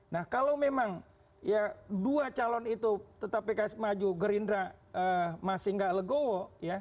nah kalau memang ya dua calon itu tetap pks maju gerindra masih nggak legowo